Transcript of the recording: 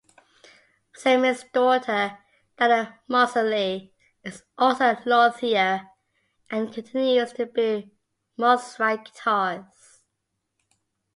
Semie's daughter, Dana Moseley, is also a luthier and continues to build Mosrite guitars.